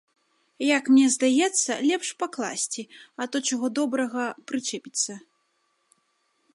Як мне здаецца, лепш пакласці, а то, чаго добрага, прычэпіцца.